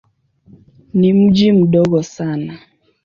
Ni mji mdogo sana.